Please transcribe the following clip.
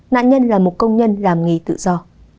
nạn nhân là một công nhân làm nghề tự do